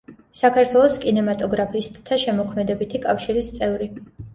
საქართველოს კინემატოგრაფისტთა შემოქმედებითი კავშირის წევრი.